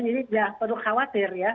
jadi tidak perlu khawatir ya